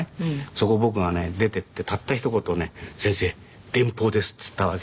そこを僕がね出て行ってたったひと言ね「先生電報です」って言ったわけ。